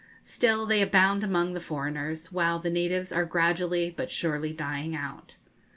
Still, they abound among the foreigners, while the natives are gradually, but surely, dying out.